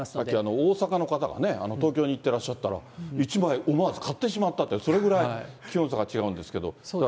大阪の方がね、東京に行ってらっしゃったら、１枚思わず買ってしまったって、それぐらい、気温差が違うんですけど。